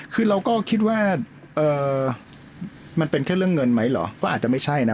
คือเราก็คิดว่ามันเป็นแค่เรื่องเงินไหมเหรอก็อาจจะไม่ใช่นะ